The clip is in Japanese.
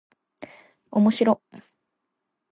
おもしろっ